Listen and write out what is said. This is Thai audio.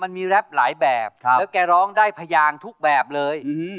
มันมีแรปหลายแบบแล้วแกร้องได้พยางทุกแบบเลย